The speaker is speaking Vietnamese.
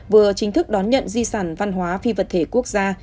vừa chính thức đón nhận di sản văn hóa phi vật thể quốc gia